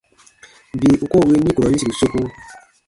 Bii u koo win nikurɔn yĩsiru soku.